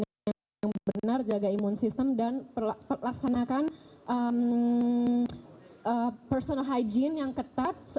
jadi kita harus menjaga imun sistem yang benar jaga imun sistem dan laksanakan personal hygiene yang ketat